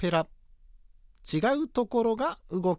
ちがうところがうごきます。